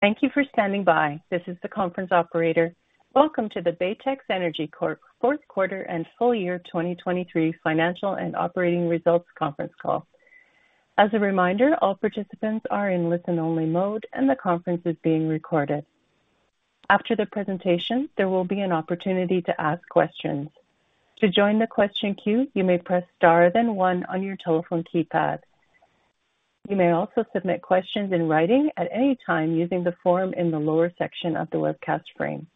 Thank you for standing by. This is the conference operator. Welcome to the Baytex Energy Corp Fourth Quarter and Full Year 2023 Financial and Operating Results Conference Call. As a reminder, all participants are in listen-only mode and the conference is being recorded. After the presentation, there will be an opportunity to ask questions. To join the question queue, you may press star then one on your telephone keypad. You may also submit questions in writing at any time using the form in the lower section of the webcast frame.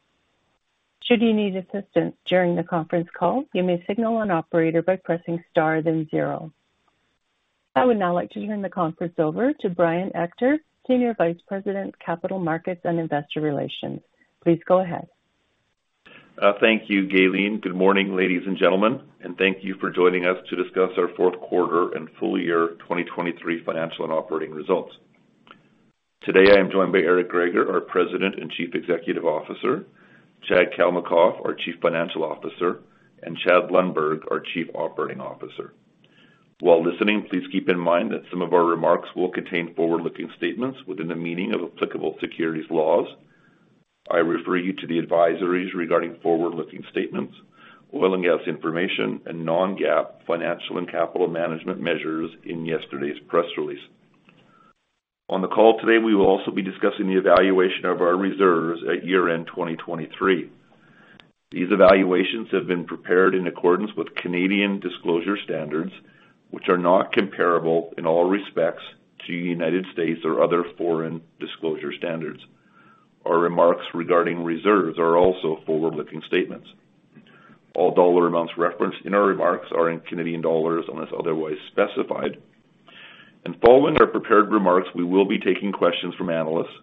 Should you need assistance during the conference call, you may signal an operator by pressing star then zero. I would now like to turn the conference over to Brian Ector, Senior Vice President, Capital Markets and Investor Relations. Please go ahead. Thank you, Gailyn. Good morning, ladies and gentlemen, and thank you for joining us to discuss our Fourth Quarter and Full Year 2023 Financial and Operating Results. Today, I am joined by Eric Greager, our President and Chief Executive Officer; Chad Kalmakoff, our Chief Financial Officer; and Chad Lundberg, our Chief Operating Officer. While listening, please keep in mind that some of our remarks will contain forward-looking statements within the meaning of applicable securities laws. I refer you to the advisories regarding forward-looking statements, oil and gas information, and non-GAAP financial and capital management measures in yesterday's press release. On the call today, we will also be discussing the evaluation of our reserves at year-end 2023. These evaluations have been prepared in accordance with Canadian disclosure standards, which are not comparable in all respects to United States or other foreign disclosure standards. Our remarks regarding reserves are also forward-looking statements. All dollar amounts referenced in our remarks are in Canadian dollars unless otherwise specified. Following our prepared remarks, we will be taking questions from analysts.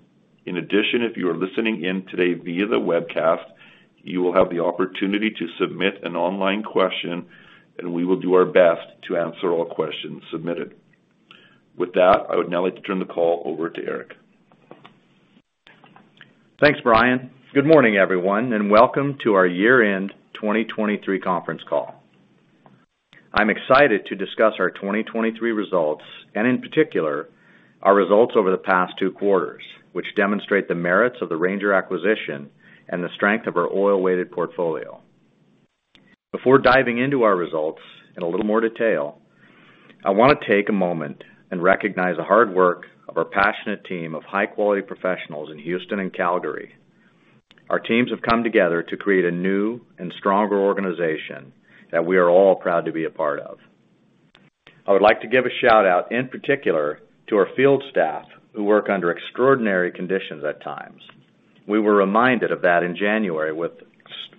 In addition, if you are listening in today via the webcast, you will have the opportunity to submit an online question, and we will do our best to answer all questions submitted. With that, I would now like to turn the call over to Eric. Thanks, Brian. Good morning, everyone, and welcome to our year-end 2023 conference call. I'm excited to discuss our 2023 results and, in particular, our results over the past two quarters, which demonstrate the merits of the Ranger acquisition and the strength of our oil-weighted portfolio. Before diving into our results in a little more detail, I want to take a moment and recognize the hard work of our passionate team of high-quality professionals in Houston and Calgary. Our teams have come together to create a new and stronger organization that we are all proud to be a part of. I would like to give a shout-out, in particular, to our field staff who work under extraordinary conditions at times. We were reminded of that in January with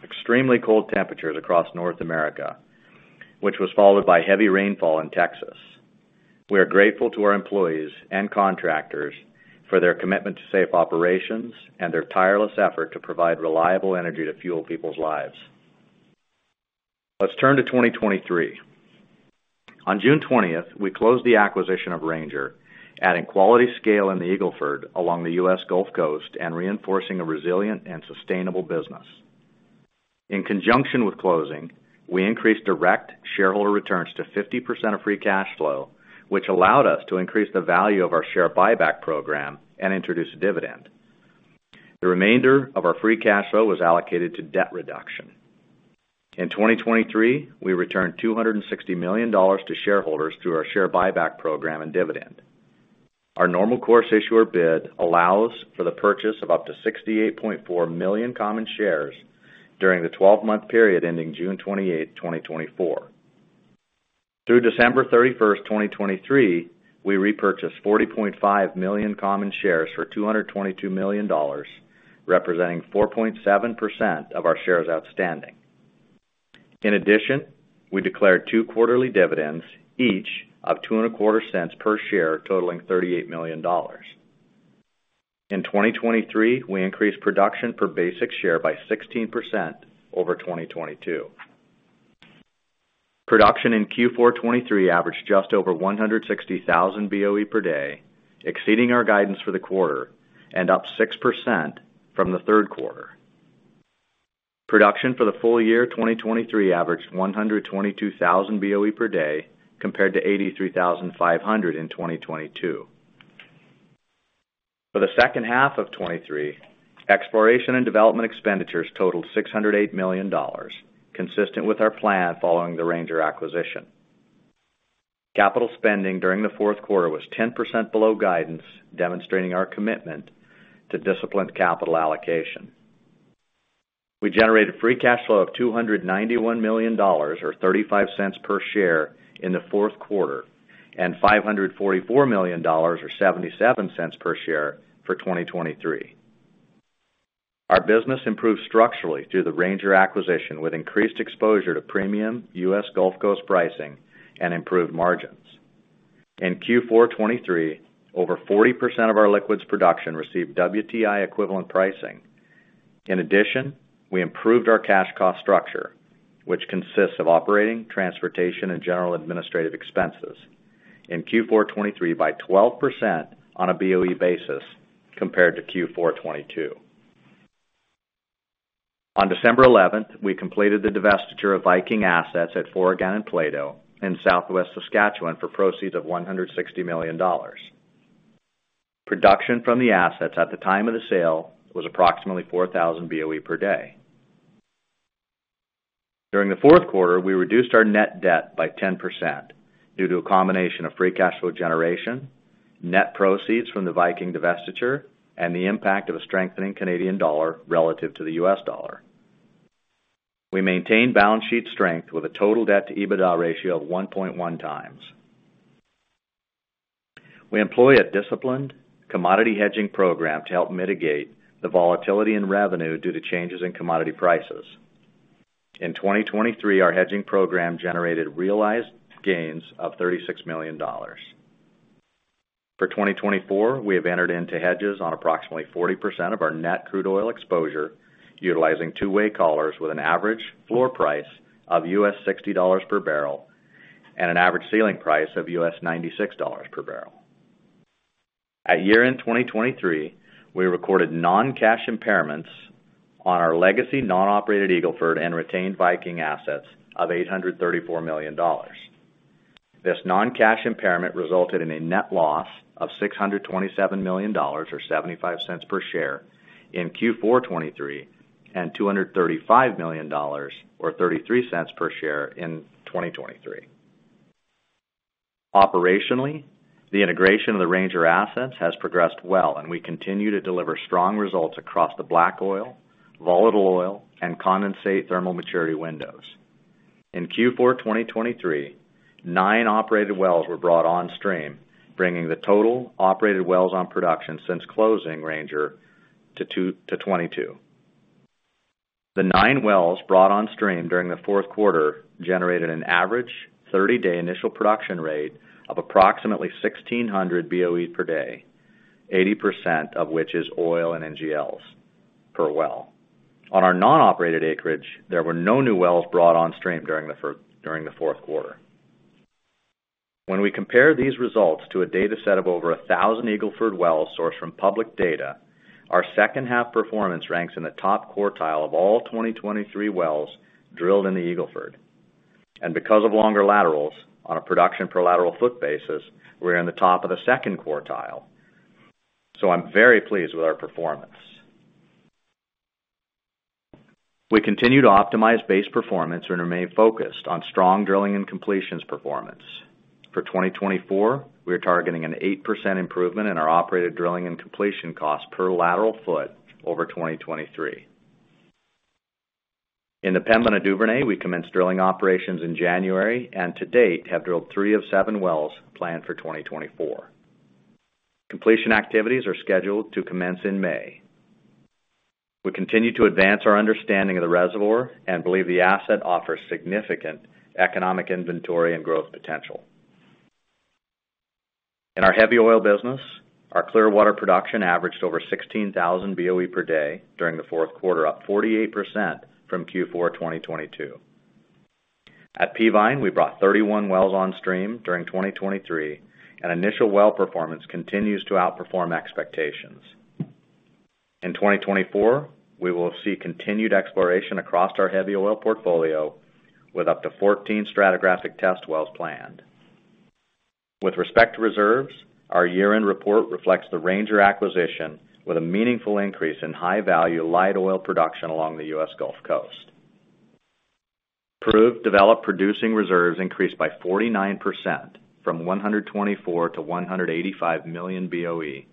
extremely cold temperatures across North America, which was followed by heavy rainfall in Texas. We are grateful to our employees and contractors for their commitment to safe operations and their tireless effort to provide reliable energy to fuel people's lives. Let's turn to 2023. On June 20th, we closed the acquisition of Ranger, adding quality scale in the Eagle Ford along the U.S. Gulf Coast and reinforcing a resilient and sustainable business. In conjunction with closing, we increased direct shareholder returns to 50% of free cash flow, which allowed us to increase the value of our share buyback program and introduce a dividend. The remainder of our free cash flow was allocated to debt reduction. In 2023, we returned 260 million dollars to shareholders through our share buyback program and dividend. Our Normal Course Issuer Bid allows for the purchase of up to 68.4 million common shares during the 12-month period ending June 28th, 2024. Through December 31st, 2023, we repurchased 40.5 million common shares for 222 million dollars, representing 4.7% of our shares outstanding. In addition, we declared two quarterly dividends, each of 0.0225 per share, totaling 38 million dollars. In 2023, we increased production per basic share by 16% over 2022. Production in Q4 2023 averaged just over 160,000 boe/d, exceeding our guidance for the quarter and up 6% from the third quarter. Production for the full year 2023 averaged 122,000 boe/d compared to 83,500 in 2022. For the second half of 2023, exploration and development expenditures totaled 608 million dollars, consistent with our plan following the Ranger acquisition. Capital spending during the fourth quarter was 10% below guidance, demonstrating our commitment to disciplined capital allocation. We generated free cash flow of 291 million dollars or 0.35 per share in the fourth quarter and 544 million dollars or 0.77 per share for 2023. Our business improved structurally through the Ranger acquisition with increased exposure to premium U.S. Gulf Coast pricing and improved margins. In Q4 2023, over 40% of our liquids production received WTI equivalent pricing. In addition, we improved our cash cost structure, which consists of operating, transportation, and general administrative expenses in Q4 2023 by 12% on a BOE basis compared to Q4 2022. On December 11th, we completed the divestiture of Viking Assets at Forgan and Plato in Southwest Saskatchewan for proceeds of 160 million dollars. Production from the assets at the time of the sale was approximately 4,000 boe/d. During the fourth quarter, we reduced our net debt by 10% due to a combination of free cash flow generation, net proceeds from the Viking divestiture, and the impact of a strengthening Canadian dollar relative to the U.S. dollar. We maintained balance sheet strength with a total debt-to-EBITDA ratio of 1.1x. We employ a disciplined commodity hedging program to help mitigate the volatility in revenue due to changes in commodity prices. In 2023, our hedging program generated realized gains of 36 million dollars. For 2024, we have entered into hedges on approximately 40% of our net crude oil exposure utilizing two-way collars with an average floor price of $60/bbl and an average ceiling price of $96/bbl. At year-end 2023, we recorded non-cash impairments on our legacy non-operated Eagle Ford and retained Viking assets of 834 million dollars. This non-cash impairment resulted in a net loss of 627 million dollars or 0.75 per share in Q4 2023 and 235 million dollars or 0.33 per share in 2023. Operationally, the integration of the Ranger Assets has progressed well, and we continue to deliver strong results across the black oil, volatile oil, and condensate thermal maturity windows. In Q4 2023, nine operated wells were brought onstream, bringing the total operated wells on production since closing Ranger to 22. The nine wells brought onstream during the fourth quarter generated an average 30-day initial production rate of approximately 1,600 boe/d, 80% of which is oil and NGLs per well. On our non-operated acreage, there were no new wells brought onstream during the fourth quarter. When we compare these results to a dataset of over 1,000 Eagle Ford wells sourced from public data, our second-half performance ranks in the top quartile of all 2023 wells drilled in the Eagle Ford. And because of longer laterals on a production per lateral foot basis, we're in the top of the second quartile, so I'm very pleased with our performance. We continue to optimize base performance and remain focused on strong drilling and completions performance. For 2024, we are targeting an 8% improvement in our operated drilling and completion cost per lateral foot over 2023. In the Pembina Duvernay, we commenced drilling operations in January and to date have drilled three of seven wells planned for 2024. Completion activities are scheduled to commence in May. We continue to advance our understanding of the reservoir and believe the asset offers significant economic inventory and growth potential. In our heavy oil business, our Clearwater production averaged over 16,000 boe/d during the fourth quarter, up 48% from Q4 2022. At Peavine, we brought 31 wells onstream during 2023, and initial well performance continues to outperform expectations. In 2024, we will see continued exploration across our heavy oil portfolio with up to 14 stratigraphic test wells planned. With respect to reserves, our year-end report reflects the Ranger acquisition with a meaningful increase in high-value light oil production along the U.S. Gulf Coast. Proved developed producing reserves increased by 49% from 124 million BOE to 185 million BOE.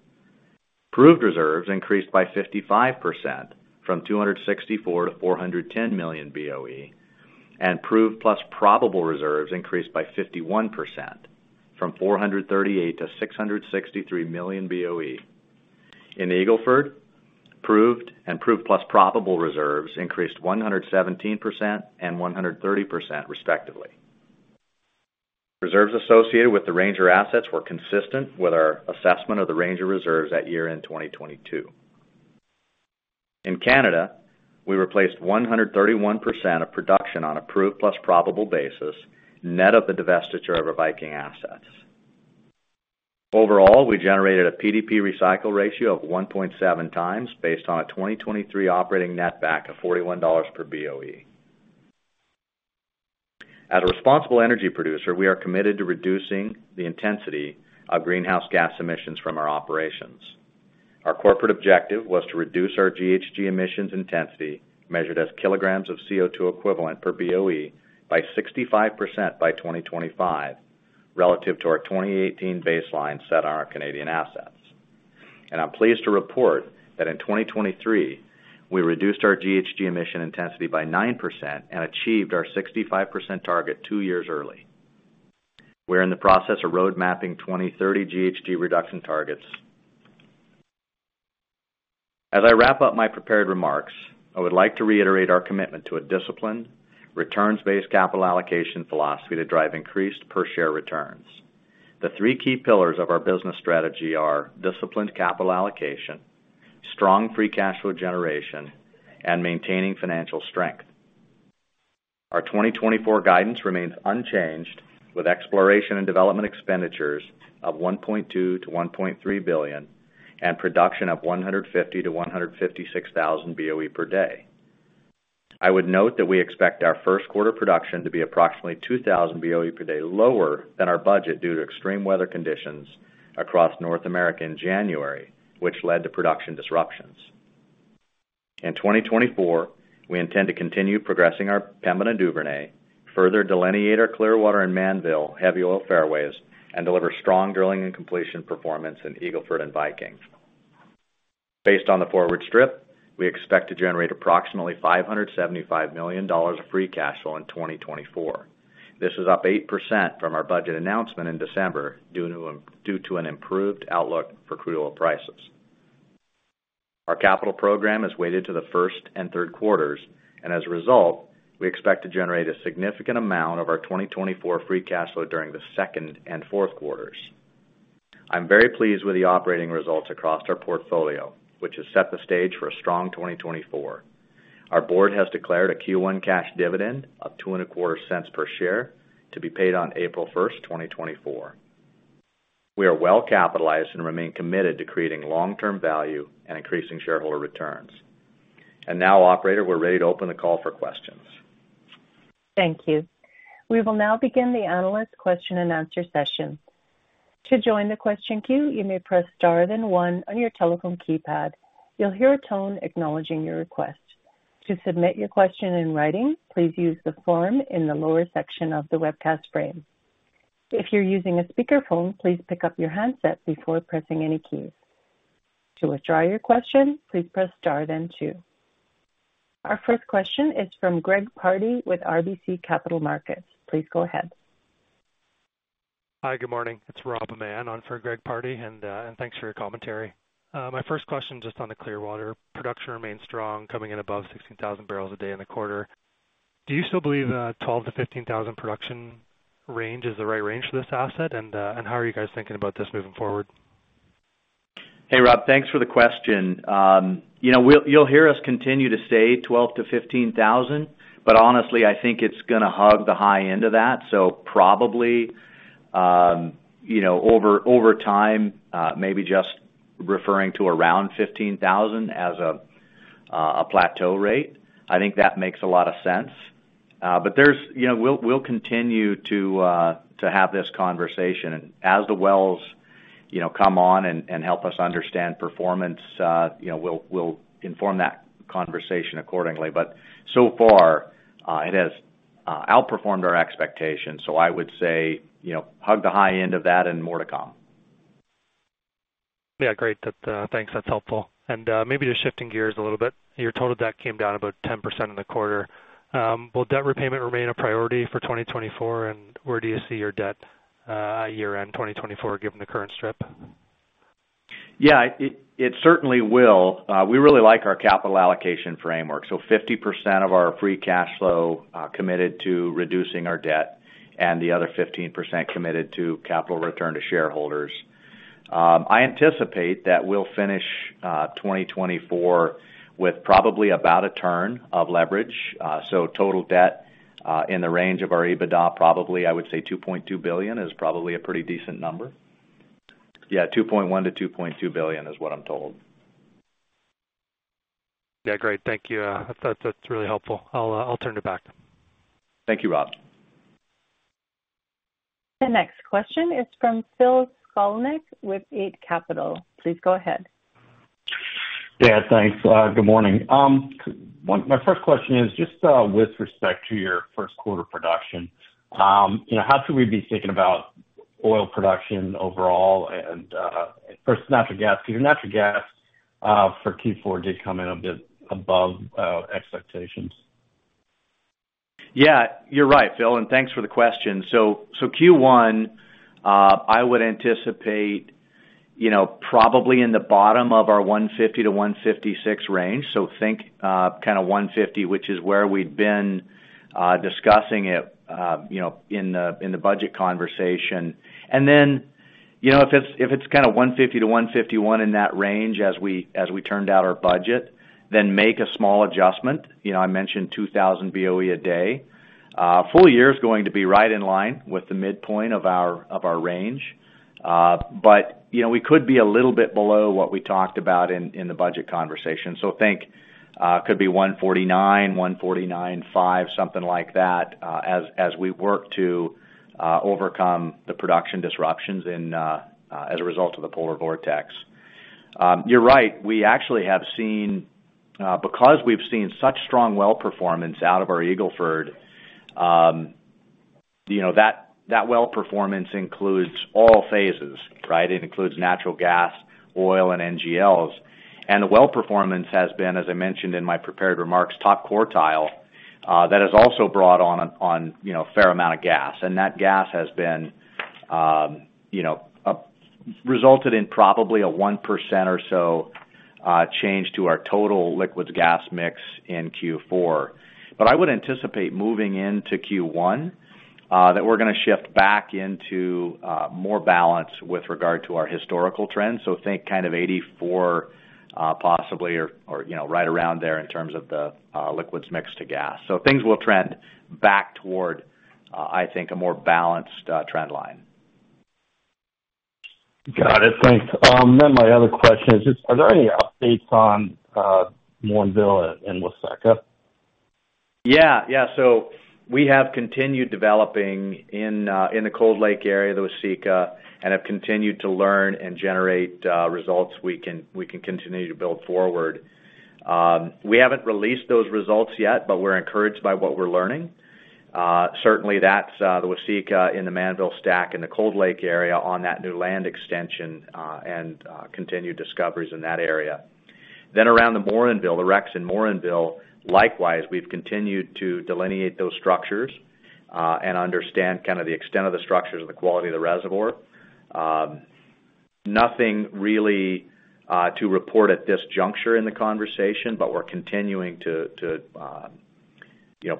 Proved reserves increased by 55% from 264 million BOE to 410 million BOE. Proved plus probable reserves increased by 51% from 438 million BOE to 663 million BOE. In Eagle Ford, Proved and Proved plus probable reserves increased 117% and 130%, respectively. Reserves associated with the Ranger Assets were consistent with our assessment of the Ranger reserves at year-end 2022. In Canada, we replaced 131% of production on a Proved plus Probable basis, net of the divestiture of our Viking Assets. Overall, we generated a PDP recycle ratio of 1.7x based on a 2023 operating net back of $41 per BOE. As a responsible energy producer, we are committed to reducing the intensity of greenhouse gas emissions from our operations. Our corporate objective was to reduce our GHG emissions intensity measured as kilograms of CO2 equivalent per BOE by 65% by 2025 relative to our 2018 baseline set on our Canadian assets. I'm pleased to report that in 2023, we reduced our GHG emission intensity by 9% and achieved our 65% target two years early. We're in the process of roadmapping 2030 GHG reduction targets. As I wrap up my prepared remarks, I would like to reiterate our commitment to a disciplined, returns-based capital allocation philosophy to drive increased per-share returns. The three key pillars of our business strategy are disciplined capital allocation, strong free cash flow generation, and maintaining financial strength. Our 2024 guidance remains unchanged with exploration and development expenditures of 1.2 billion-1.3 billion and production of 150,000 boe/d-156,000 boe/d. I would note that we expect our first quarter production to be approximately 2,000 boe/d lower than our budget due to extreme weather conditions across North America in January, which led to production disruptions. In 2024, we intend to continue progressing our Pembina Duvernay, further delineate our Clearwater and Mannville heavy oil fairways, and deliver strong drilling and completion performance in Eagle Ford and Viking. Based on the forward strip, we expect to generate approximately 575 million dollars of free cash flow in 2024. This is up 8% from our budget announcement in December due to an improved outlook for crude oil prices. Our capital program is weighted to the first and third quarters, and as a result, we expect to generate a significant amount of our 2024 free cash flow during the second and fourth quarters. I'm very pleased with the operating results across our portfolio, which has set the stage for a strong 2024. Our board has declared a Q1 cash dividend of $0.0225 per share to be paid on April 1st, 2024. We are well capitalized and remain committed to creating long-term value and increasing shareholder returns. And now, operator, we're ready to open the call for questions. Thank you. We will now begin the analyst question and answer session. To join the question queue, you may press star then one on your telephone keypad. You'll hear a tone acknowledging your request. To submit your question in writing, please use the form in the lower section of the webcast frame. If you're using a speakerphone, please pick up your handset before pressing any keys. To withdraw your question, please press star then two. Our first question is from Greg Pardy with RBC Capital Markets. Please go ahead. Hi. Good morning. It's Rob Mann on for Greg Pardy, and thanks for your commentary. My first question just on the Clearwater. Production remains strong, coming in above 16,000 bbl/d in the quarter. Do you still believe a 12,000 bbl/d-15,000bbl/d production range is the right range for this asset, and how are you guys thinking about this moving forward? Hey, Rob. Thanks for the question. You'll hear us continue to say 12,000 bbl/d-15,000 bbl/d, but honestly, I think it's going to hug the high end of that. So probably over time, maybe just referring to around 15,000 bbl/d as a plateau rate, I think that makes a lot of sense. But we'll continue to have this conversation. And as the wells come on and help us understand performance, we'll inform that conversation accordingly. But so far, it has outperformed our expectations, so I would say hug the high end of that and more to come. Yeah. Great. Thanks. That's helpful. Maybe just shifting gears a little bit. Your total debt came down about 10% in the quarter. Will debt repayment remain a priority for 2024, and where do you see your debt year-end 2024 given the current strip? Yeah. It certainly will. We really like our capital allocation framework. So 50% of our free cash flow committed to reducing our debt and the other 15% committed to capital return to shareholders. I anticipate that we'll finish 2024 with probably about a turn of leverage. So total debt in the range of our EBITDA, probably I would say 2.2 billion is probably a pretty decent number. Yeah. 2.1 billion-2.2 billion is what I'm told. Yeah. Great. Thank you. That's really helpful. I'll turn it back. Thank you, Rob. The next question is from Phil Skolnick with Eight Capital. Please go ahead. Yeah. Thanks. Good morning. My first question is just with respect to your first quarter production. How should we be thinking about oil production overall? And first, natural gas because your natural gas for Q4 did come in a bit above expectations. Yeah. You're right, Phil, and thanks for the question. So Q1, I would anticipate probably in the bottom of our 150-156 range. So think kind of 150, which is where we'd been discussing it in the budget conversation. And then if it's kind of 150-151 in that range as we turned out our budget, then make a small adjustment. I mentioned 2,000 boe/d. Full year is going to be right in line with the midpoint of our range, but we could be a little bit below what we talked about in the budget conversation. So think could be 149, 149.5, something like that as we work to overcome the production disruptions as a result of the polar vortex. You're right. We actually have seen because we've seen such strong well performance out of our Eagle Ford, that well performance includes all phases, right? It includes natural gas, oil, and NGLs. The well performance has been, as I mentioned in my prepared remarks, top quartile that has also brought on a fair amount of gas. That gas has resulted in probably a 1% or so change to our total liquids/gas mix in Q4. But I would anticipate moving into Q1 that we're going to shift back into more balance with regard to our historical trends. So think kind of 84 possibly or right around there in terms of the liquids mix to gas. So things will trend back toward, I think, a more balanced trendline. Got it. Thanks. Then my other question is just, are there any updates on Morinville and Waseca? Yeah. Yeah. So we have continued developing in the Cold Lake area, the Waseca, and have continued to learn and generate results we can continue to build forward. We haven't released those results yet, but we're encouraged by what we're learning. Certainly, that's the Waseca in the Mannville stack in the Cold Lake area on that new land extension and continued discoveries in that area. Then around the Morinville, the Rex in Morinville, likewise, we've continued to delineate those structures and understand kind of the extent of the structures and the quality of the reservoir. Nothing really to report at this juncture in the conversation, but we're continuing to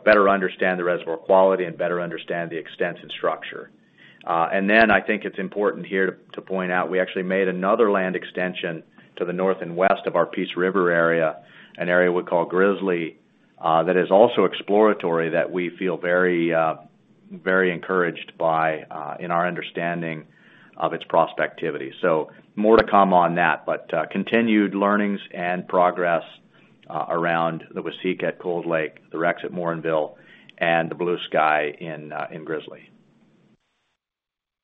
better understand the reservoir quality and better understand the extents and structure. Then I think it's important here to point out we actually made another land extension to the north and west of our Peace River area, an area we call Grizzly, that is also exploratory that we feel very encouraged by in our understanding of its prospectivity. So more to come on that, but continued learnings and progress around the Waseca at Cold Lake, the Rex at Morinville, and the Bluesky in Grizzly.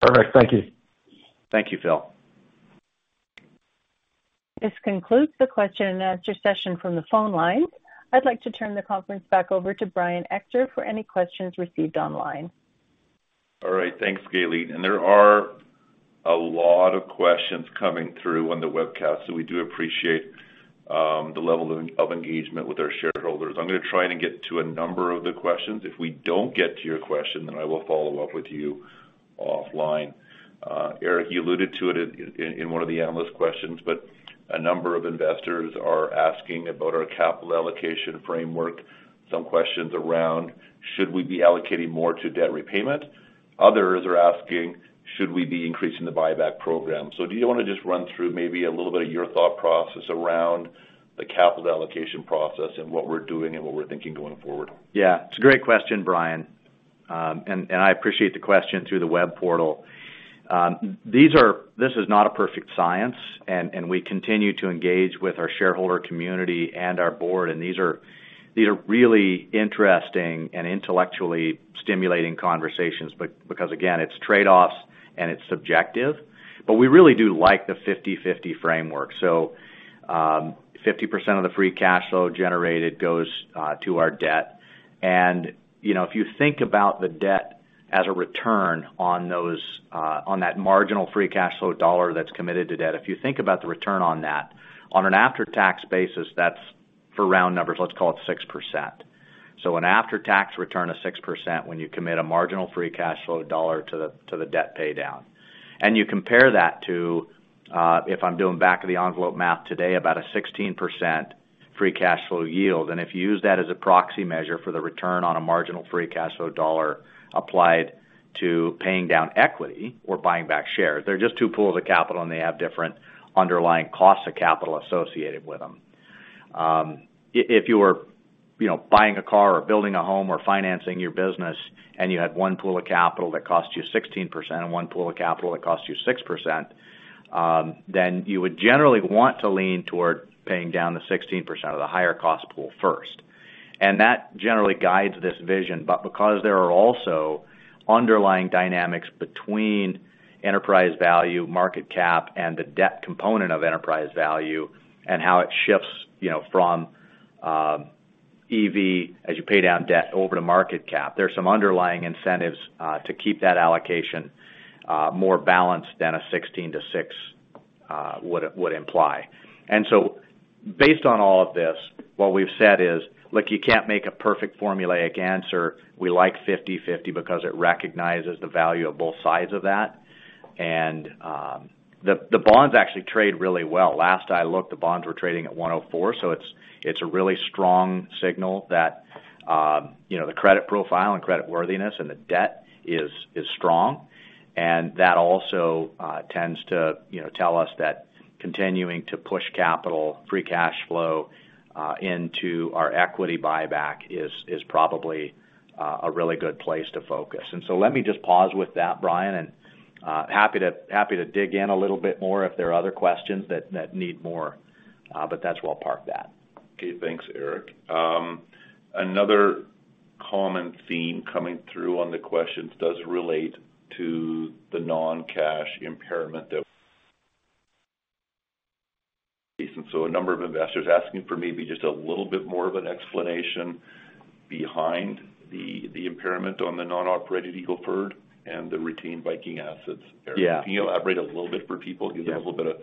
Perfect. Thank you. Thank you, Phil. This concludes the question and answer session from the phone line. I'd like to turn the conference back over to Brian Ector for any questions received online. All right. Thanks, Gailyn. There are a lot of questions coming through on the webcast, so we do appreciate the level of engagement with our shareholders. I'm going to try and get to a number of the questions. If we don't get to your question, then I will follow up with you offline. Eric, you alluded to it in one of the analyst questions, but a number of investors are asking about our capital allocation framework, some questions around should we be allocating more to debt repayment. Others are asking, should we be increasing the buyback program? Do you want to just run through maybe a little bit of your thought process around the capital allocation process and what we're doing and what we're thinking going forward? Yeah. It's a great question, Brian, and I appreciate the question through the web portal. This is not a perfect science, and we continue to engage with our shareholder community and our board, and these are really interesting and intellectually stimulating conversations because, again, it's trade-offs and it's subjective. But we really do like the 50/50 framework. So 50% of the free cash flow generated goes to our debt. And if you think about the debt as a return on that marginal free cash flow dollar that's committed to debt, if you think about the return on that, on an after-tax basis, that's for round numbers, let's call it 6%. So an after-tax return of 6% when you commit a marginal free cash flow dollar to the debt paydown. And you compare that to if I'm doing back of the envelope math today, about a 16% free cash flow yield. If you use that as a proxy measure for the return on a marginal free cash flow dollar applied to paying down equity or buying back shares, they're just two pools of capital, and they have different underlying costs of capital associated with them. If you were buying a car or building a home or financing your business and you had one pool of capital that cost you 16% and one pool of capital that cost you 6%, then you would generally want to lean toward paying down the 16% or the higher cost pool first. That generally guides this vision. Because there are also underlying dynamics between enterprise value, market cap, and the debt component of enterprise value and how it shifts from EV as you pay down debt over to market cap, there's some underlying incentives to keep that allocation more balanced than a 16 to six would imply. So based on all of this, what we've said is, look, you can't make a perfect formulaic answer. We like 50/50 because it recognizes the value of both sides of that. The bonds actually trade really well. Last I looked, the bonds were trading at 104, so it's a really strong signal that the credit profile and credit worthiness and the debt is strong. That also tends to tell us that continuing to push capital, free cash flow into our equity buyback is probably a really good place to focus. And so let me just pause with that, Brian, and happy to dig in a little bit more if there are other questions that need more, but that's where I'll park that. Okay. Thanks, Eric. Another common theme coming through on the questions does relate to the non-cash impairment. That. And so a number of investors asking for maybe just a little bit more of an explanation behind the impairment on the non-operated Eagle Ford and the retained Viking assets. Eric, can you elaborate a little bit for people, give them a little bit of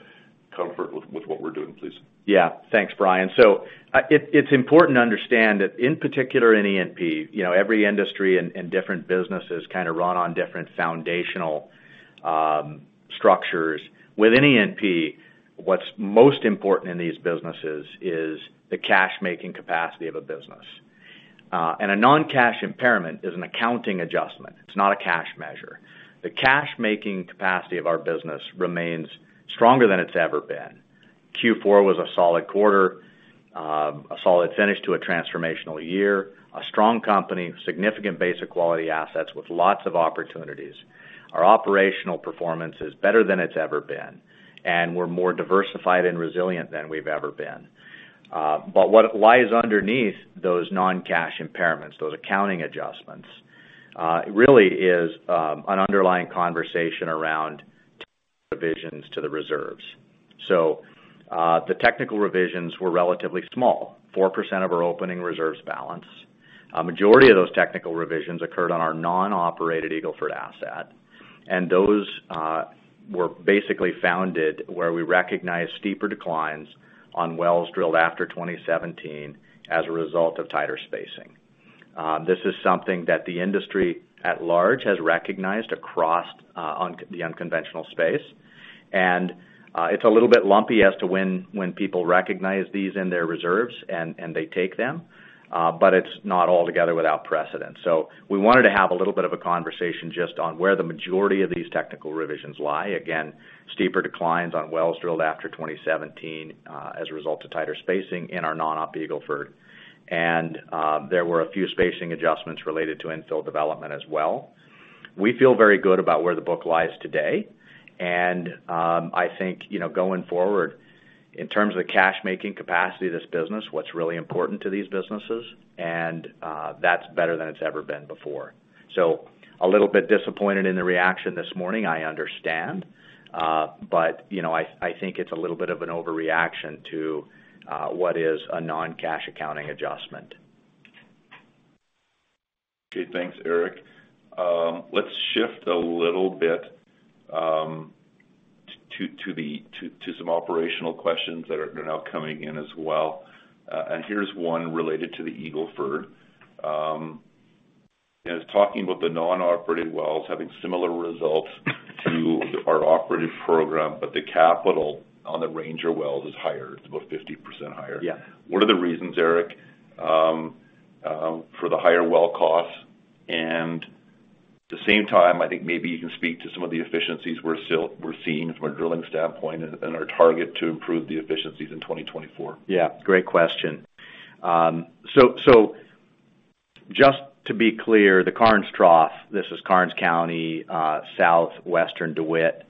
comfort with what we're doing, please? Yeah. Thanks, Brian. So it's important to understand that in particular, in E&P, every industry and different businesses kind of run on different foundational structures. With E&P, what's most important in these businesses is the cash-making capacity of a business. And a non-cash impairment is an accounting adjustment. It's not a cash measure. The cash-making capacity of our business remains stronger than it's ever been. Q4 was a solid quarter, a solid finish to a transformational year, a strong company, significant basic quality assets with lots of opportunities. Our operational performance is better than it's ever been, and we're more diversified and resilient than we've ever been. But what lies underneath those non-cash impairments, those accounting adjustments, really is an underlying conversation around technical revisions to the reserves. So the technical revisions were relatively small, 4% of our opening reserves balance. A majority of those technical revisions occurred on our non-operated Eagle Ford asset, and those were basically found where we recognized steeper declines on wells drilled after 2017 as a result of tighter spacing. This is something that the industry at large has recognized across the unconventional space, and it's a little bit lumpy as to when people recognize these in their reserves and they take them, but it's not altogether without precedent. So we wanted to have a little bit of a conversation just on where the majority of these technical revisions lie. Again, steeper declines on wells drilled after 2017 as a result of tighter spacing in our non-op Eagle Ford, and there were a few spacing adjustments related to infill development as well. We feel very good about where the book lies today, and I think going forward, in terms of the cash-making capacity of this business, what's really important to these businesses, and that's better than it's ever been before. So a little bit disappointed in the reaction this morning, I understand, but I think it's a little bit of an overreaction to what is a non-cash accounting adjustment. Okay. Thanks, Eric. Let's shift a little bit to some operational questions that are now coming in as well. Here's one related to the Eagle Ford. It's talking about the non-operated wells having similar results to our operated program, but the capital on the Ranger wells is higher. It's about 50% higher. What are the reasons, Eric, for the higher well costs? And at the same time, I think maybe you can speak to some of the efficiencies we're seeing from a drilling standpoint and our target to improve the efficiencies in 2024. Yeah. Great question. So just to be clear, the Karnes Trough, this is Karnes County, southwestern DeWitt,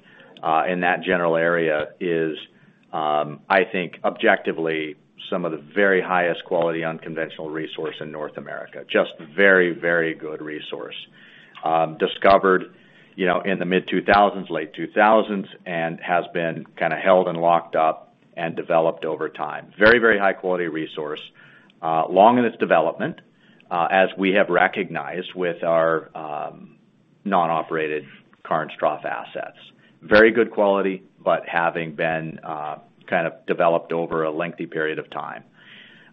in that general area is, I think, objectively, some of the very highest quality unconventional resource in North America, just very, very good resource, discovered in the mid-2000s, late 2000s, and has been kind of held and locked up and developed over time. Very, very high-quality resource, long in its development, as we have recognized with our non-operated Karnes Trough assets, very good quality but having been kind of developed over a lengthy period of time.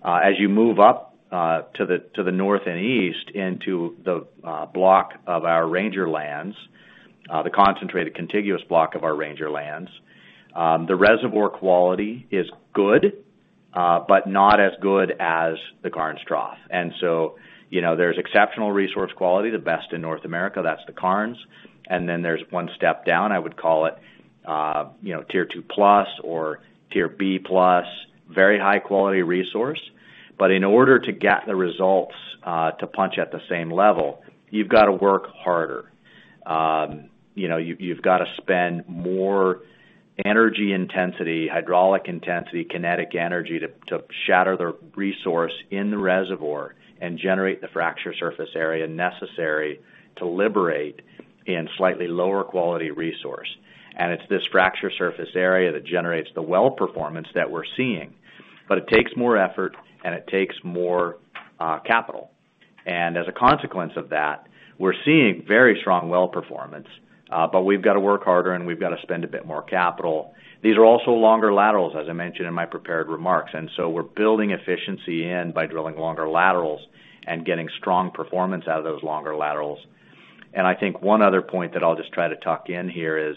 As you move up to the north and east into the block of our Ranger lands, the concentrated contiguous block of our Ranger lands, the reservoir quality is good but not as good as the Karnes Trough. And so there's exceptional resource quality, the best in North America. That's the Karns. And then there's one step down, I would call it Tier 2+ or Tier B+, very high-quality resource. But in order to get the results to punch at the same level, you've got to work harder. You've got to spend more energy intensity, hydraulic intensity, kinetic energy to shatter the resource in the reservoir and generate the fracture surface area necessary to liberate in slightly lower-quality resource. And it's this fracture surface area that generates the well performance that we're seeing, but it takes more effort, and it takes more capital. And as a consequence of that, we're seeing very strong well performance, but we've got to work harder, and we've got to spend a bit more capital. These are also longer laterals, as I mentioned in my prepared remarks. We're building efficiency in by drilling longer laterals and getting strong performance out of those longer laterals. I think one other point that I'll just try to tuck in here is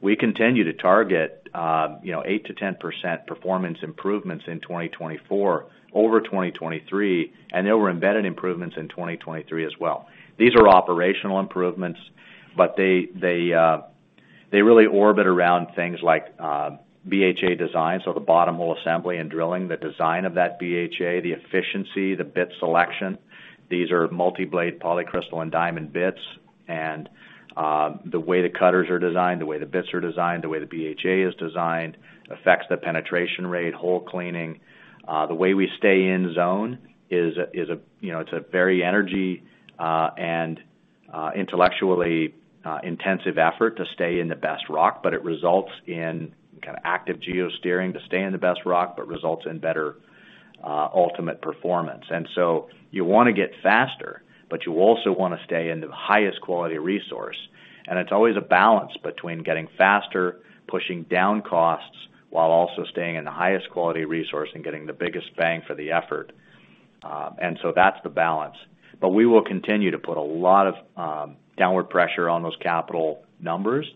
we continue to target 8%-10% performance improvements in 2024 over 2023, and there were embedded improvements in 2023 as well. These are operational improvements, but they really orbit around things like BHA design, so the Bottom Hole Assembly and drilling, the design of that BHA, the efficiency, the bit selection. These are multi-blade, polycrystalline, and diamond bits. The way the cutters are designed, the way the bits are designed, the way the BHA is designed affects the penetration rate, hole cleaning. The way we stay in zone is, it's a very energy and intellectually intensive effort to stay in the best rock, but it results in kind of active geosteering to stay in the best rock but results in better ultimate performance. And so you want to get faster, but you also want to stay in the highest quality resource. And it's always a balance between getting faster, pushing down costs while also staying in the highest quality resource and getting the biggest bang for the effort. And so that's the balance. But we will continue to put a lot of downward pressure on those capital numbers,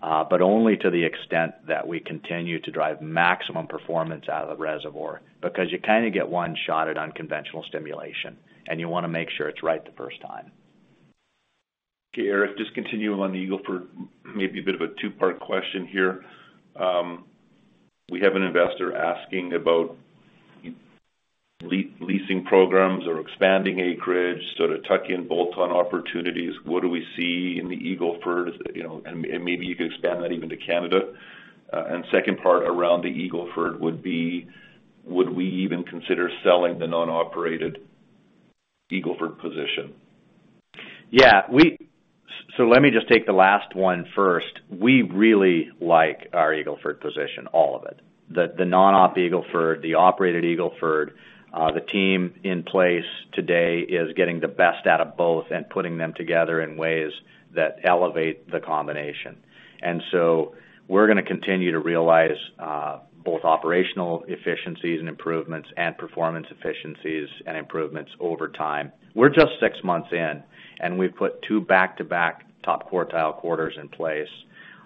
but only to the extent that we continue to drive maximum performance out of the reservoir because you kind of get one shot at unconventional stimulation, and you want to make sure it's right the first time. Okay, Eric, just continuing on the Eagle Ford, maybe a bit of a two-part question here. We have an investor asking about leasing programs or expanding acreage, sort of tuck-in bolt-on opportunities. What do we see in the Eagle Ford? And maybe you could expand that even to Canada. And second part around the Eagle Ford would be, would we even consider selling the non-operated Eagle Ford position? Yeah. So let me just take the last one first. We really like our Eagle Ford position, all of it, the non-op Eagle Ford, the operated Eagle Ford. The team in place today is getting the best out of both and putting them together in ways that elevate the combination. And so we're going to continue to realize both operational efficiencies and improvements and performance efficiencies and improvements over time. We're just six months in, and we've put two back-to-back top quartile quarters in place.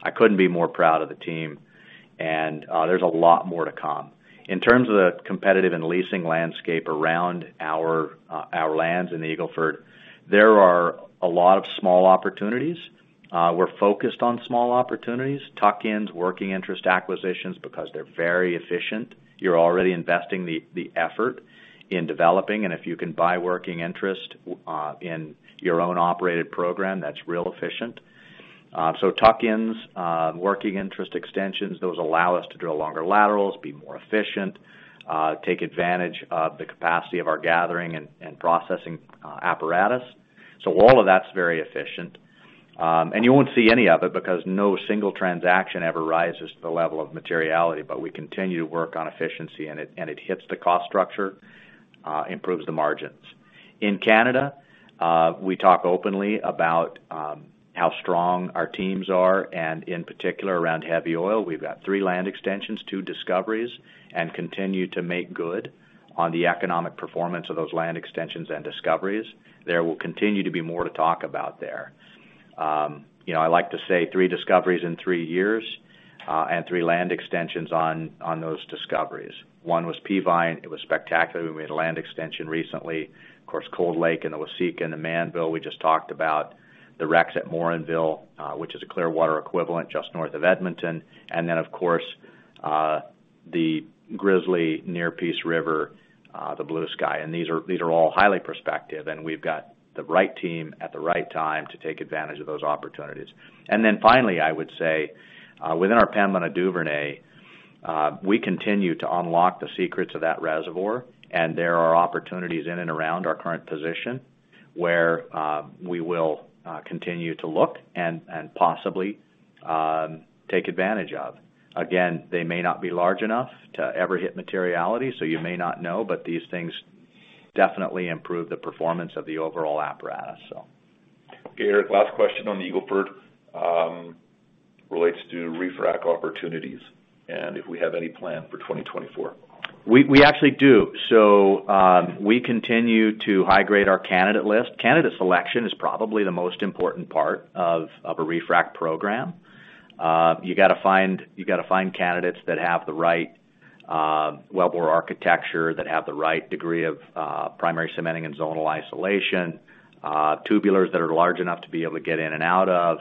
I couldn't be more proud of the team, and there's a lot more to come. In terms of the competitive and leasing landscape around our lands in the Eagle Ford, there are a lot of small opportunities. We're focused on small opportunities, tuck-ins, working interest acquisitions because they're very efficient. You're already investing the effort in developing. If you can buy working interest in your own operated program, that's real efficient. So tuck-ins, working interest extensions, those allow us to drill longer laterals, be more efficient, take advantage of the capacity of our gathering and processing apparatus. So all of that's very efficient. And you won't see any of it because no single transaction ever rises to the level of materiality, but we continue to work on efficiency, and it hits the cost structure, improves the margins. In Canada, we talk openly about how strong our teams are. And in particular, around heavy oil, we've got three land extensions, two discoveries, and continue to make good on the economic performance of those land extensions and discoveries. There will continue to be more to talk about there. I like to say three discoveries in three years and three land extensions on those discoveries. One was Peavine. It was spectacular. We made a land extension recently, of course, Cold Lake, and the Waseca, and the Mannville. We just talked about the Rex at Morinville, which is a Clearwater equivalent just north of Edmonton. And then, of course, the Grizzly near Peace River, the Blue Sky. And these are all highly prospective, and we've got the right team at the right time to take advantage of those opportunities. And then finally, I would say, within our Pembina Duvernay, we continue to unlock the secrets of that reservoir, and there are opportunities in and around our current position where we will continue to look and possibly take advantage of. Again, they may not be large enough to ever hit materiality, so you may not know, but these things definitely improve the performance of the overall apparatus, so. Okay, Eric, last question on the Eagle Ford relates to refrac opportunities and if we have any plan for 2024. We actually do. So we continue to high-grade our candidate list. Candidate selection is probably the most important part of a refrac program. You got to find candidates that have the right wellbore architecture, that have the right degree of primary cementing and zonal isolation, tubulars that are large enough to be able to get in and out of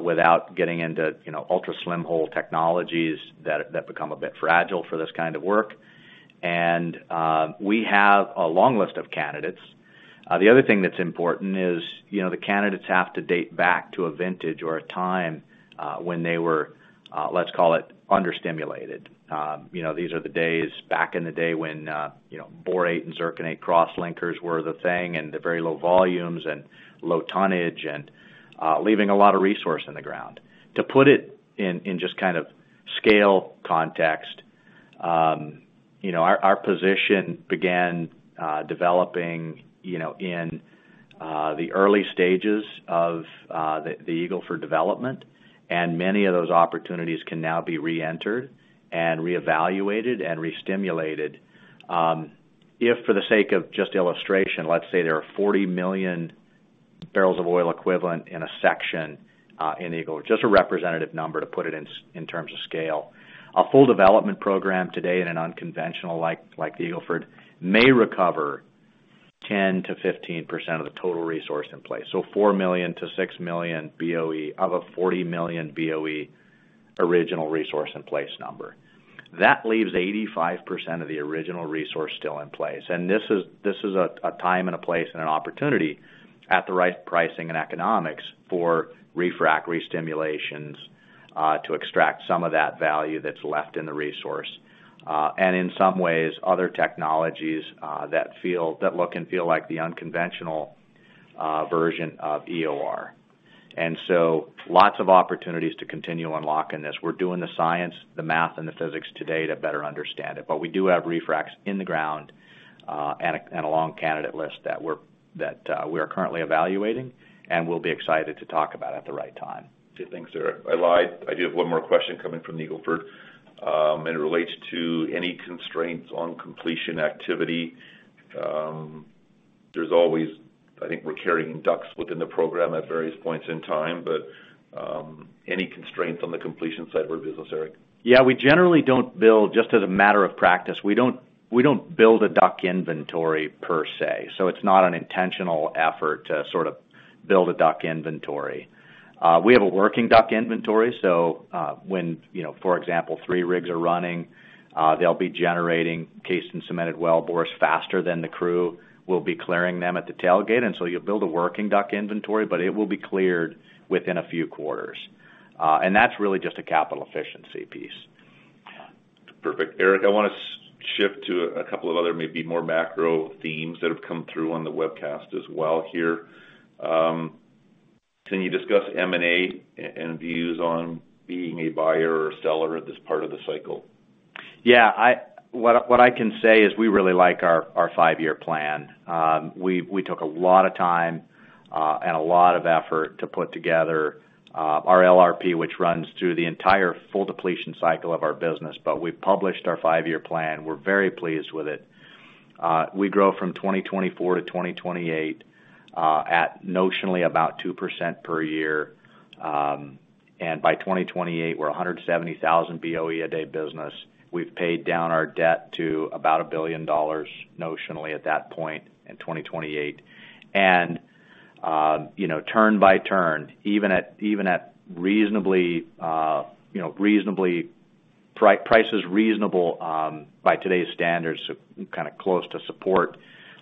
without getting into ultra-slim hole technologies that become a bit fragile for this kind of work. And we have a long list of candidates. The other thing that's important is the candidates have to date back to a vintage or a time when they were, let's call it, under-stimulated. These are the days back in the day when borate and zirconate cross-linkers were the thing and the very low volumes and low tonnage and leaving a lot of resource in the ground. To put it in just kind of scale context, our position began developing in the early stages of the Eagle Ford development, and many of those opportunities can now be re-entered and re-evaluated and re-stimulated. If for the sake of just illustration, let's say there are 40 million BOE in a section in the Eagle Ford, just a representative number to put it in terms of scale, a full development program today in an unconventional like the Eagle Ford may recover 10%-15% of the total resource in place, so 4 million-6 million BOE of a 40 million BOE original resource in place number. That leaves 85% of the original resource still in place. This is a time and a place and an opportunity at the right pricing and economics for refrac re-stimulations to extract some of that value that's left in the resource and in some ways other technologies that look and feel like the unconventional version of EOR. So lots of opportunities to continue unlocking this. We're doing the science, the math, and the physics today to better understand it, but we do have refracs in the ground and a long candidate list that we are currently evaluating and will be excited to talk about at the right time. Okay, thanks, Eric. I lied. I do have one more question coming from the Eagle Ford, and it relates to any constraints on completion activity. I think we're carrying DUCs within the program at various points in time, but any constraints on the completion side of our business, Eric? Yeah. We generally don't build just as a matter of practice. We don't build a DUC inventory per se, so it's not an intentional effort to sort of build a DUC inventory. We have a working DUC inventory, so when, for example, three rigs are running, they'll be generating cased and cemented wellbores faster than the crew will be clearing them at the tailgate. And so you'll build a working DUC inventory, but it will be cleared within a few quarters. And that's really just a capital efficiency piece. Perfect. Eric, I want to shift to a couple of other maybe more macro themes that have come through on the webcast as well here. Can you discuss M&A and views on being a buyer or seller at this part of the cycle? Yeah. What I can say is we really like our five-year plan. We took a lot of time and a lot of effort to put together our LRP, which runs through the entire full depletion cycle of our business, but we've published our five-year plan. We're very pleased with it. We grow from 2024-2028 at notionally about 2% per year. And by 2028, we're a 170,000 boe/d business. We've paid down our debt to about $1 billion notionally at that point in 2028. And turn by turn, even at reasonable prices reasonable by today's standards, kind of close to support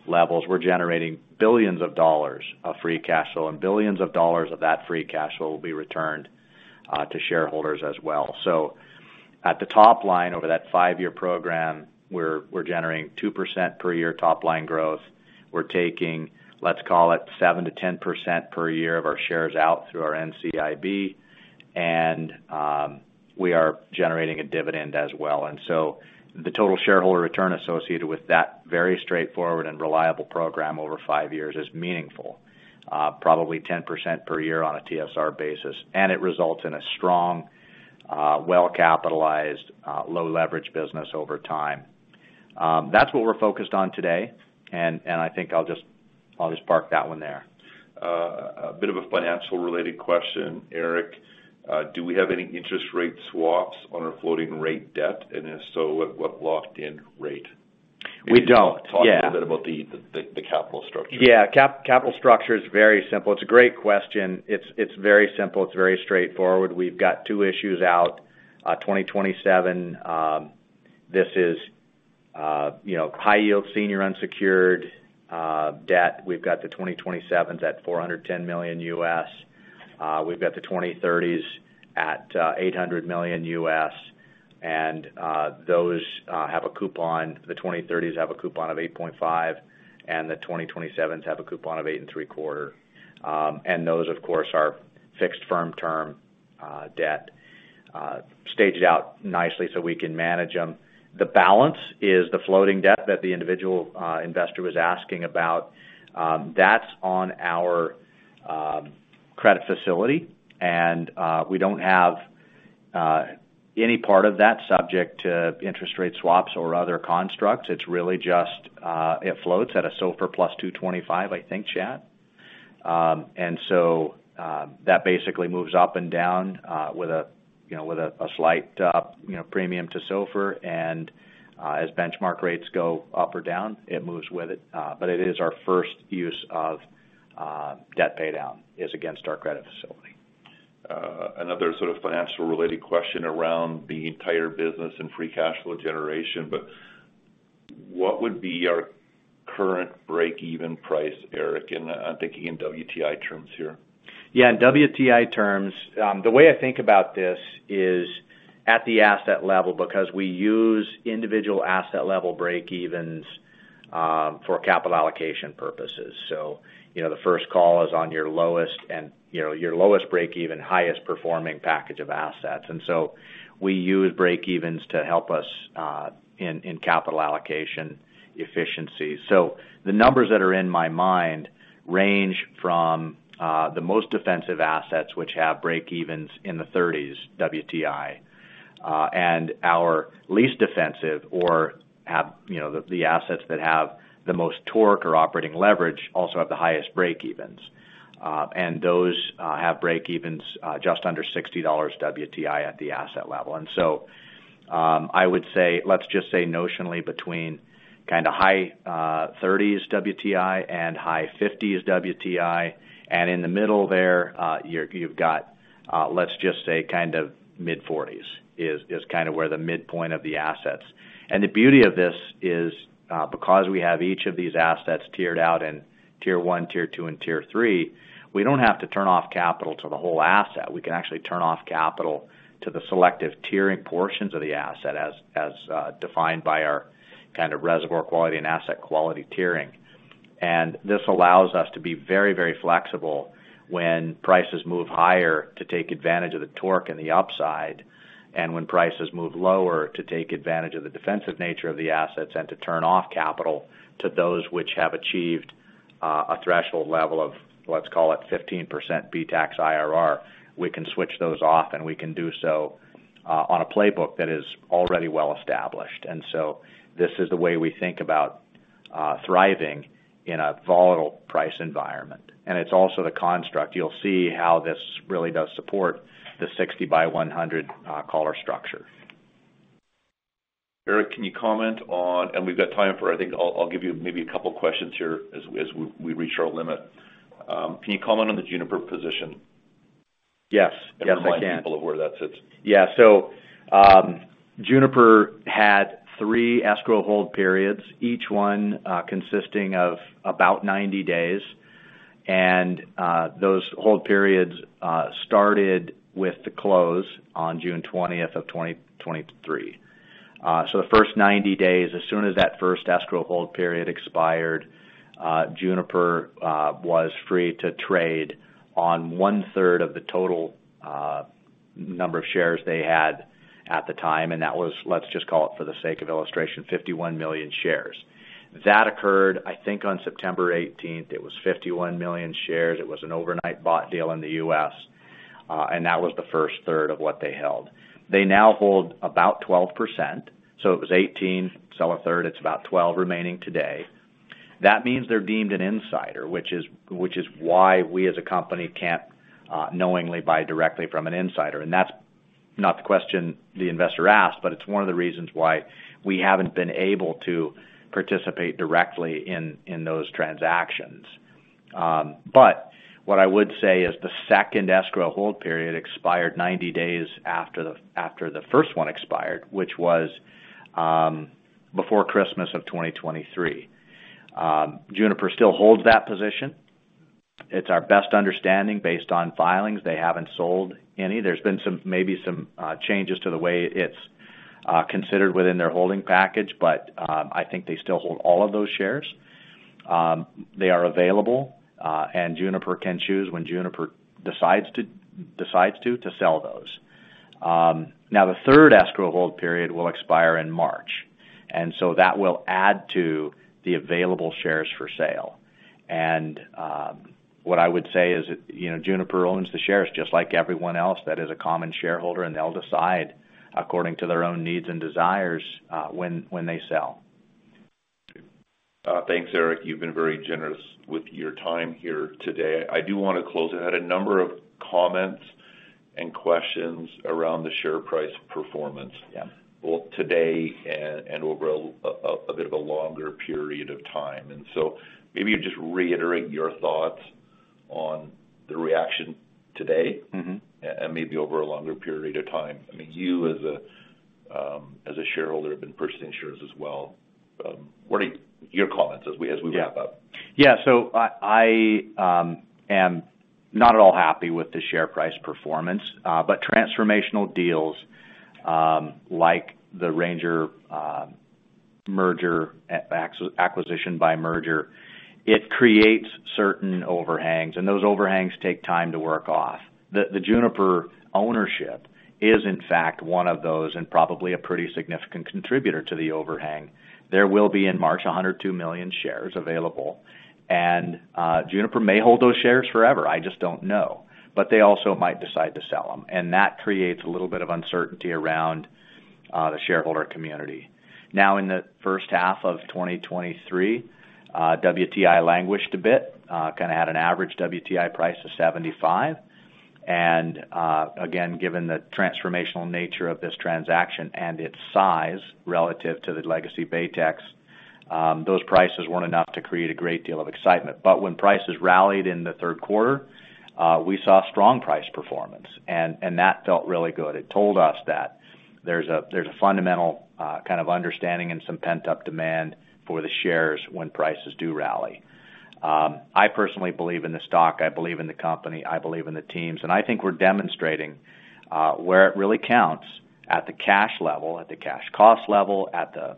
levels, we're generating billions of dollars of free cash flow, and billions of dollars of that free cash flow will be returned to shareholders as well. So at the top line over that five-year program, we're generating 2% per year top line growth. We're taking, let's call it, 7%-10% per year of our shares out through our NCIB, and we are generating a dividend as well. And so the total shareholder return associated with that very straightforward and reliable program over five years is meaningful, probably 10% per year on a TSR basis. And it results in a strong, well-capitalized, low-leverage business over time. That's what we're focused on today, and I think I'll just park that one there. A bit of a financial-related question, Eric. Do we have any interest rate swaps on our floating rate debt? And if so, what locked-in rate? We don't. We can talk a little bit about the capital structure. Yeah. Capital structure is very simple. It's a great question. It's very simple. It's very straightforward. We've got two issues out. 2027, this is high-yield, senior, unsecured debt. We've got the 2027s at $410 million. We've got the 2030s at $800 million. And those have a coupon. The 2030s have a coupon of 8.5%, and the 2027s have a coupon of 8.75%. And those, of course, are fixed-term debt, staged out nicely so we can manage them. The balance is the floating debt that the individual investor was asking about. That's on our credit facility, and we don't have any part of that subject to interest rate swaps or other constructs. It's really just it floats at a SOFR plus 225, I think, Chad. And so that basically moves up and down with a slight premium to SOFR. As benchmark rates go up or down, it moves with it. It is our first use of debt paydown is against our credit facility. Another sort of financial-related question around the entire business and free cash flow generation, but what would be our current break-even price, Eric? I'm thinking in WTI terms here. Yeah. In WTI terms, the way I think about this is at the asset level because we use individual asset-level break-evens for capital allocation purposes. So the first call is on your lowest break-even, highest-performing package of assets. And so we use break-evens to help us in capital allocation efficiency. So the numbers that are in my mind range from the most defensive assets, which have break-evens in the 30s, WTI, and our least defensive or the assets that have the most torque or operating leverage also have the highest break-evens. And those have break-evens just under 60 dollars WTI at the asset level. And so I would say let's just say notionally between kind of high CAD 30s WTI and high CAD 50s WTI. And in the middle there, you've got, let's just say, kind of mid CAD 40s is kind of where the midpoint of the assets is. And the beauty of this is because we have each of these assets tiered out in Tier 1, Tier 2, and Tier 3, we don't have to turn off capital to the whole asset. We can actually turn off capital to the selective tiering portions of the asset as defined by our kind of reservoir quality and asset quality tiering. And this allows us to be very, very flexible when prices move higher to take advantage of the torque and the upside, and when prices move lower to take advantage of the defensive nature of the assets and to turn off capital to those which have achieved a threshold level of, let's call it, 15% BTAX IRR, we can switch those off, and we can do so on a playbook that is already well-established. And so this is the way we think about thriving in a volatile price environment. It's also the construct. You'll see how this really does support the 60 by 100 collar structure. Eric, can you comment on, and we've got time for. I think I'll give you maybe a couple of questions here as we reach our limit. Can you comment on the Juniper position in your mind. Yes, I can. People of where that sits? Yeah. So Juniper had three escrow hold periods, each one consisting of about 90 days. And those hold periods started with the close on June 20th, 2023. So the first 90 days, as soon as that first escrow hold period expired, Juniper was free to trade on 1/3 of the total number of shares they had at the time. And that was, let's just call it for the sake of illustration, 51 million shares. That occurred, I think, on September 18th. It was 51 million shares. It was an overnight bought deal in the U.S., and that was the first third of what they held. They now hold about 12%. So it was 18%, sell a third. It's about 12% remaining today. That means they're deemed an insider, which is why we, as a company, can't knowingly buy directly from an insider. That's not the question the investor asked, but it's one of the reasons why we haven't been able to participate directly in those transactions. But what I would say is the second escrow hold period expired 90 days after the first one expired, which was before Christmas of 2023. Juniper still holds that position. It's our best understanding based on filings. They haven't sold any. There's been maybe some changes to the way it's considered within their holding package, but I think they still hold all of those shares. They are available, and Juniper can choose when Juniper decides to sell those. Now, the third escrow hold period will expire in March, and so that will add to the available shares for sale. And what I would say is Juniper owns the shares just like everyone else. That is a common shareholder, and they'll decide according to their own needs and desires when they sell. Thanks, Eric. You've been very generous with your time here today. I do want to close out. I had a number of comments and questions around the share price performance, both today and over a bit of a longer period of time. And so maybe you just reiterate your thoughts on the reaction today and maybe over a longer period of time. I mean, you as a shareholder have been purchasing shares as well. What are your comments as we wrap up? Yeah. So I am not at all happy with the share price performance, but transformational deals like the Ranger merger, acquisition by merger, it creates certain overhangs, and those overhangs take time to work off. The Juniper ownership is, in fact, one of those and probably a pretty significant contributor to the overhang. There will be in March 102 million shares available, and Juniper may hold those shares forever. I just don't know. But they also might decide to sell them, and that creates a little bit of uncertainty around the shareholder community. Now, in the first half of 2023, WTI languished a bit, kind of had an average WTI price of 75. Again, given the transformational nature of this transaction and its size relative to the legacy Baytex, those prices weren't enough to create a great deal of excitement. But when prices rallied in the third quarter, we saw strong price performance, and that felt really good. It told us that there's a fundamental kind of understanding and some pent-up demand for the shares when prices do rally. I personally believe in the stock. I believe in the company. I believe in the teams. And I think we're demonstrating where it really counts at the cash level, at the cash cost level, at the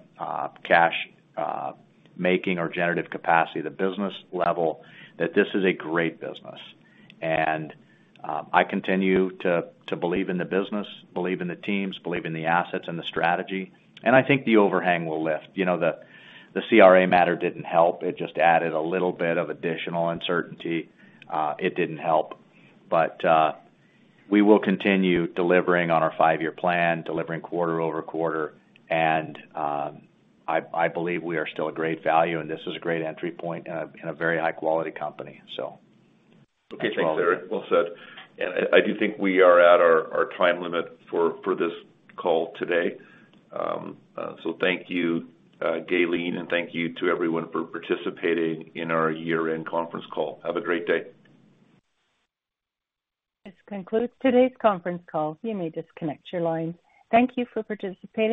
cash-making or generative capacity, the business level, that this is a great business. And I continue to believe in the business, believe in the teams, believe in the assets and the strategy. And I think the overhang will lift. The CRA matter didn't help. It just added a little bit of additional uncertainty. It didn't help. But we will continue delivering on our five-year plan, delivering quarter-over-quarter. I believe we are still a great value, and this is a great entry point in a very high-quality company, so. Okay. Thanks, Eric. Well said. And I do think we are at our time limit for this call today. So thank you, Gaylene, and thank you to everyone for participating in our year-end conference call. Have a great day. This concludes today's conference call. You may disconnect your line. Thank you for participating.